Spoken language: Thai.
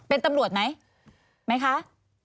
เป็นตำรวจไหมไหมคะ